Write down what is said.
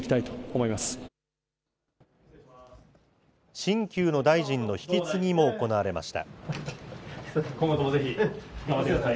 新旧の大臣の引き継ぎも行われました。